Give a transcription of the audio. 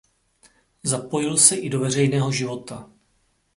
Zapojil se i do veřejného života.